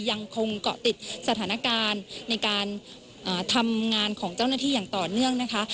ยังคงเกาะติดสถานการณ์ในการทำงานของเจ้าหน้าที่อย่างต่อเนื่องนะคะ